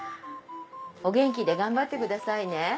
お元気で頑張ってくださいね。